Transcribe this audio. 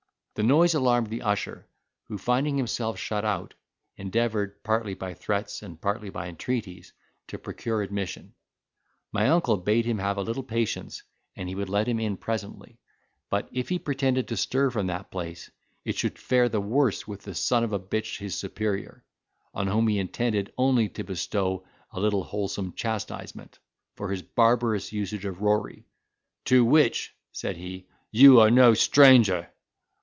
The noise alarmed the usher, who, finding himself shut out, endeavoured, partly by threats and partly by entreaties, to procure admission. My uncle bade him have a little patience, and he would let him in presently; but if he pretended to stir from that place, it should fare the worse with the son of a bitch his superior, on whom he intended only to bestow a little wholesome chastisement, for his barbarous usage of Rory, "to which," said he, "you are no stranger."